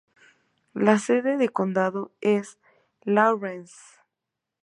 La sede de condado es Lawrence.